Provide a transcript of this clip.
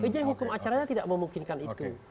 jadi hukum acaranya tidak memungkinkan itu